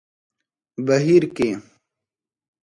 بهير کې